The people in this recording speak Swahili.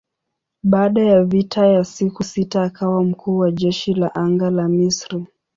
Baada ya vita ya siku sita akawa mkuu wa jeshi la anga la Misri.